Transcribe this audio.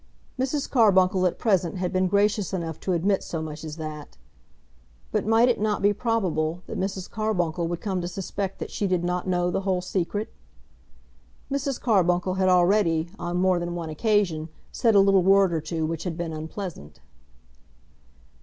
Mrs. Carbuncle at present had been gracious enough to admit so much as that. But might it not be probable that Mrs. Carbuncle would come to suspect that she did not know the whole secret? Mrs. Carbuncle had already, on more than one occasion, said a little word or two which had been unpleasant.